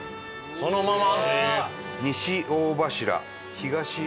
そのまま？